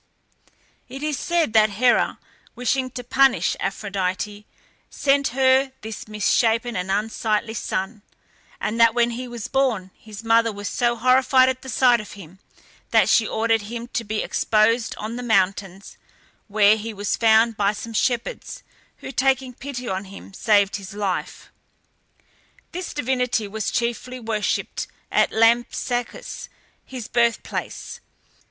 It is said that Hera, wishing to punish Aphrodite, sent her this misshapen and unsightly son, and that when he was born, his mother was so horrified at the sight of him, that she ordered him to be exposed on the mountains, where he was found by some shepherds, who, taking pity on him, saved his life. This divinity was chiefly worshipped at Lampsacus, his birthplace.